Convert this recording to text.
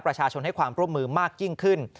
ประชาชนให้ความร่วมมือมากยิ่งขึ้น